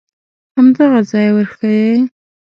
همدغه ځای ورښیې.